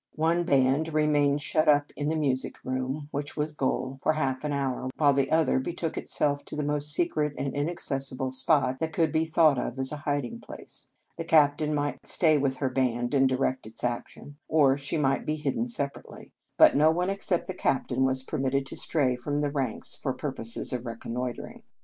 One band remained shut up in a mu sic room (which was goal) for half an hour, while the other betook itself to the most secret and inaccessible spot that could be thought of as a hiding place. The captain might stay with her band, and direct its action, or she might be hidden separately; but no one except the captain was permitted to stray from the ranks for purposes of reconnoitring.